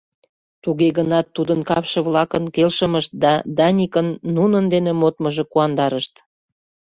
Туге-гынат тудын капше-влакын келшымышт да Даникын нунын дене модмыжо куандарышт.